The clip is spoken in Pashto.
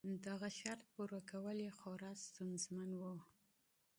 دغه شرط پوره کول یې خورا ستونزمن و.